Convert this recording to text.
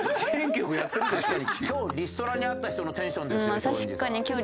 確かに今日リストラにあった人のテンション。